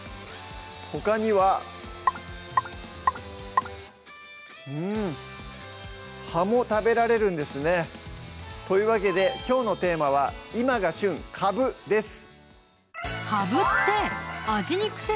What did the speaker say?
ほかにはうん葉も食べられるんですねというわけできょうのテーマは「今が旬！カブ」です